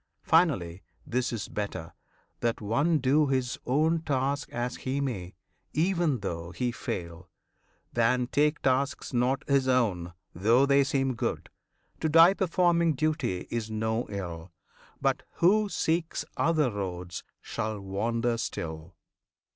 Finally, this is better, that one do His own task as he may, even though he fail, Than take tasks not his own, though they seem good. To die performing duty is no ill; But who seeks other roads shall wander still.